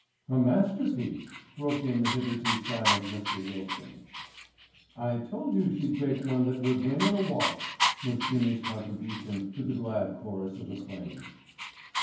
"A masterpiece," broken in the hitherto silent Mr. Wilson. "I told you she'd bake one that would win in a walk," was Jimmy's contribution to the glad chorus of acclaim.